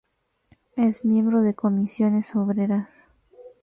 Es miembro de Comisiones Obreras.